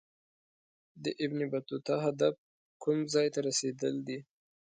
د ابن بطوطه هدف کوم ځای ته رسېدل دي.